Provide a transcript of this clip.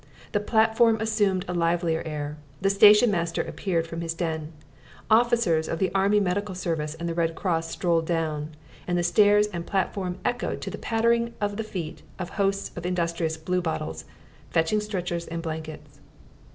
The platform assumed a livelier air. The station master appeared from his den. Officers of the Army Medical Service and the Red Cross strolled down. And the stairs and platform echoed to the pattering of the feet of hosts of industrious "Bluebottles," fetching stretchers and blankets.